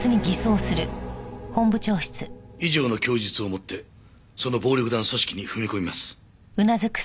以上の供述をもってその暴力団組織に踏み込みます。